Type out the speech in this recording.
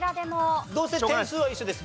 どうせ点数は一緒です。